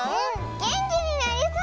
げんきになりそう！